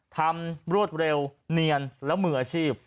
รวดเร็วเนียนและมืออาชีพ